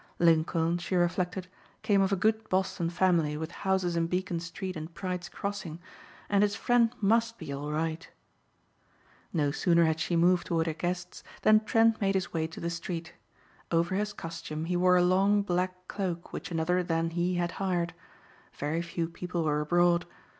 Lincoln, she reflected, came of a good Boston family with houses in Beacon Street and Pride's Crossing, and his friend must be all right. No sooner had she moved toward her guests than Trent made his way to the street. Over his costume he wore a long black cloak which another than he had hired. Very few people were abroad.